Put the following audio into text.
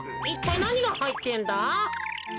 いったいなにがはいってんだ？